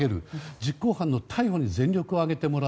実行犯の逮捕に全力を挙げてもらう。